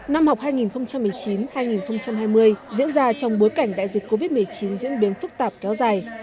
năm học hai nghìn một mươi chín hai nghìn hai mươi diễn ra trong bối cảnh đại dịch covid một mươi chín diễn biến phức tạp kéo dài